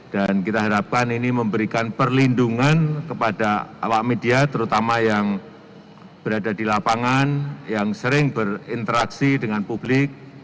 kita harapkan ini memberikan perlindungan kepada awak media terutama yang berada di lapangan yang sering berinteraksi dengan publik